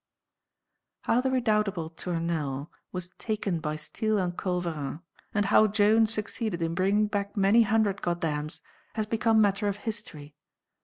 How the redoubtable Tournelles was taken by steel and culverin, and how Joan succeeded in bringing back many hundred Goddams, has become matter of history.